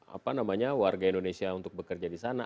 apa namanya warga indonesia untuk bekerja di sana